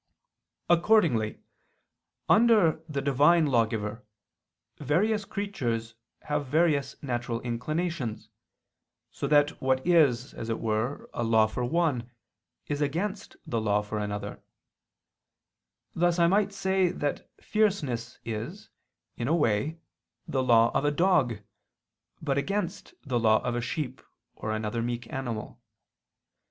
Accordingly under the Divine Lawgiver various creatures have various natural inclinations, so that what is, as it were, a law for one, is against the law for another: thus I might say that fierceness is, in a way, the law of a dog, but against the law of a sheep or another meek animal.